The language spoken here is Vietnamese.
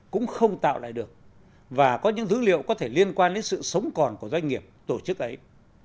cũng không tạo lại được và có những dữ liệu có thể liên quan đến sự sống còn của doanh nghiệp tổ chức ấy